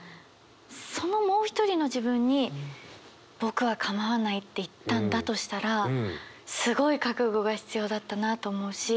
そのもう一人の自分に僕は「かまわない」って言ったんだとしたらすごい覚悟が必要だったなと思うし。